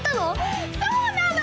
そうなの！